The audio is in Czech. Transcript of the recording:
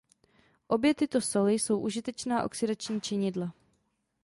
Obě tyto soli jsou užitečná oxidační činidla.